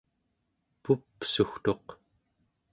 pupsugtuq